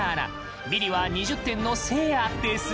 ビリは２０点のせいやです。